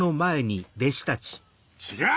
違う！